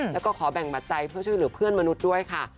แล้วก็ขอแบ่งปัจจัยเพื่อช่วยเหลือเพื่อนมนุษย์ด้วยค่ะ